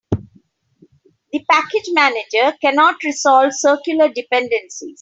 The package manager cannot resolve circular dependencies.